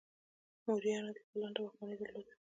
موریانو دلته لنډه واکمني درلوده